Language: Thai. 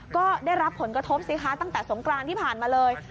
ก็ได้รับผลกระทบสิคะตั้งแต่สงกรานที่ผ่านมาเลย